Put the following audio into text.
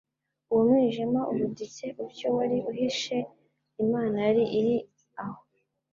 Uwo mwijima ubuditse utyo wari uhishe Imana yari iri aho.